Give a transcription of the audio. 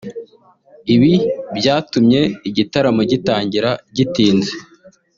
ibi byatumye igitaramo gitangira gitinze